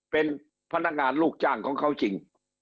เป็นพนักงานลูกจ้างของเขาจริง